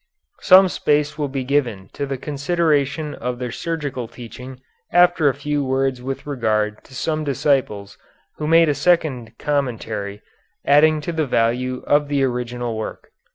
Some space will be given to the consideration of their surgical teaching after a few words with regard to some disciples who made a second commentary, adding to the value of the original work.